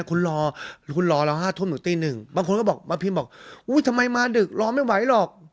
คุณรอเรา๕ทุ่มหนึ่งตีหนึ่งบางคนก็บอกว่าทำไมมาดึกรอไม่ไหวหรอก